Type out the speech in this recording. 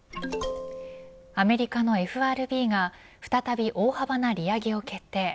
アメリカのＦＲＢが再び大幅な利上げを決定。